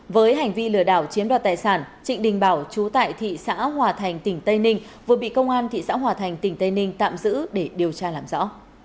với hành vi lừa đảo chiếm đoạt tài sản trịnh đình bảo chú tại thị xã hòa thành tỉnh tây ninh vừa bị công an thị xã hòa thành tỉnh tây ninh tạm giữ để điều tra làm rõ